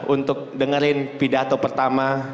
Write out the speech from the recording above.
untuk dengerin pidato pertama